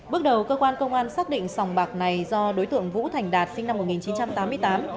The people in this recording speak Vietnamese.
bước đầu cơ quan công an xác định sòng bạc này do đối tượng vũ thành đạt sinh năm một nghìn chín trăm tám mươi tám